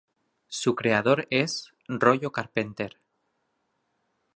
Su creador es "Rollo Carpenter".